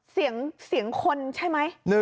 เสียงคนใช่ไหม